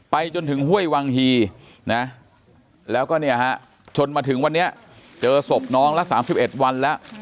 ไปจนถึงห้วยวังฮีแล้วก็ชนมาถึงวันนี้เจอศพน้องแล้ว๓๑วันแล้ว